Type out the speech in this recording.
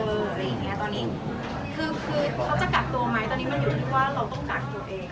ตอนนี้คือคือเขาจะกัดตัวไหมตอนนี้มันอยู่ที่ว่าเราต้องกัดตัวเอง